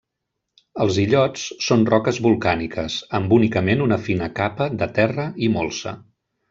Els illots són roques volcàniques, amb únicament una fina capa de terra i molsa.